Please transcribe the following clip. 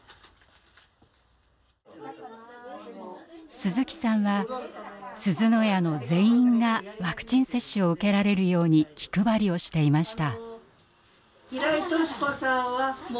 鈴木さんはすずの家の全員がワクチン接種を受けられるように気配りをしていました。